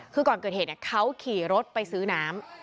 คือก่อนเกิดเหตุเขาขี่รถไปซื้อน้ำ